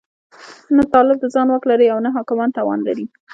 نه طالب د ځان واک لري او نه حاکمان توان لري.